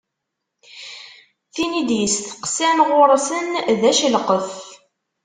Tin i d-yesteqsan ɣur-sen d acelqef.